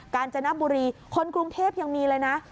การจนบุรีคนกรุงเทพยังมีเลยนะ